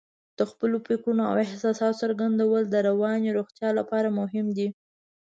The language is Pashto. د خپلو فکرونو او احساساتو څرګندول د رواني روغتیا لپاره مهم دي.